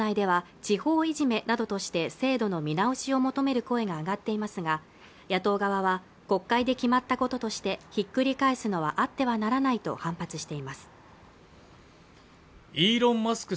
自民党内では地方いじめなどとして制度の見直しを求める声が上がっていますが野党側は国会で決まったこととしてひっくり返すのはあってはならないと反発していますイーロン・マスク